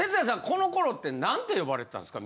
この頃ってなんて呼ばれてたんですか？